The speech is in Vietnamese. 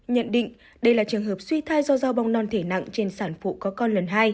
nhận định đây là trường hợp suy thai do dao bong non thể nặng trên sản phụ có con lần hai